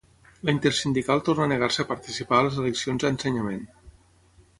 La Intersindical torna a negar-se a participar a les eleccions a Ensenyament.